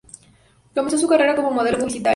Comenzó su carrera como modelo publicitaria.